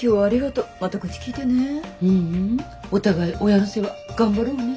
ううんお互い親の世話頑張ろうね。